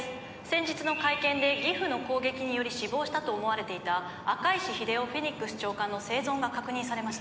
先日の会見でギフの攻撃により死亡したと思われていた赤石英雄フェニックス長官の生存が確認されました」